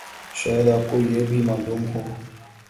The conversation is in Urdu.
شاید آپ کو یہ بھی معلوم ہو